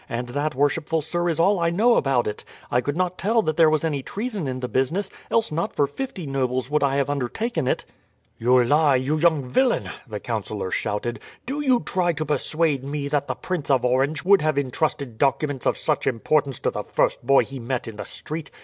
and that, worshipful sir, is all I know about it. I could not tell that there was any treason in the business, else not for fifty nobles would I have undertaken it." "You lie, you young villain!" the councillor shouted. "Do you try to persuade me that the Prince of Orange would have intrusted documents of such importance to the first boy he met in the street?